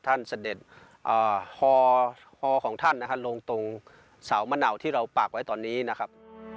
เสด็จฮอของท่านนะฮะลงตรงเสามะนาวที่เราปากไว้ตอนนี้นะครับ